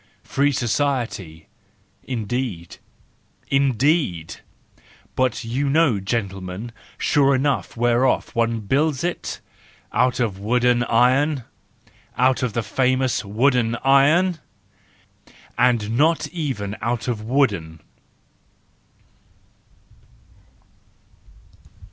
Free society ? Indeed ! Indeed! But you know, gentlemen, sure enough whereof one builds it? Out of wooden iron! Out of the famous wooden iron! And not even out of wooden